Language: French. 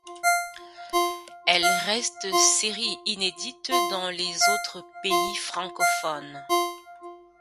Elle reste série inédite dans les autres pays francophones.